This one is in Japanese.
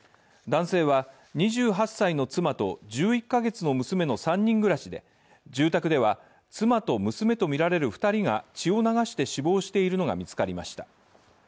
男性は２８歳の妻と１１カ月の娘の３人暮らしで住宅では妻と娘とみられる２人が血を流して死亡しているのが見つかりました。